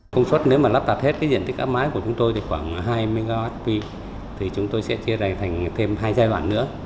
công suất nếu mà lắp tạp hết cái diện tích áp mái của chúng tôi thì khoảng hai mw thì chúng tôi sẽ chia thành thêm hai giai đoạn nữa